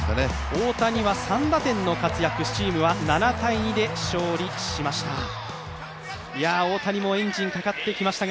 大谷は３打点の活躍チームは７−２で勝利しました。